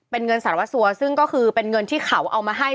เป็นเงินสารวัสสัวซึ่งก็คือเป็นเงินที่เขาเอามาให้